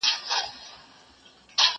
کار د زده کوونکي له خوا کيږي!!